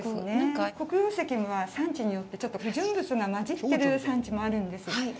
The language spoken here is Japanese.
黒曜石は産地によってちょっと不純物が混じってる産地もあるんです。